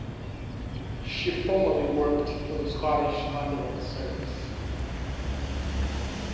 She formerly worked for the Scottish Ambulance Service.